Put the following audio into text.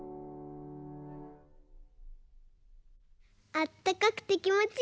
あったかくてきもちいいね。ね。